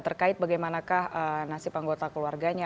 terkait bagaimanakah nasib anggota keluarganya